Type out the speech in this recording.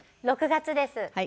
６月です。